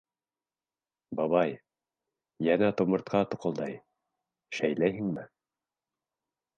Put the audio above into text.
— Бабай, йәнә тумыртҡа туҡылдай, шәйләйһеңме?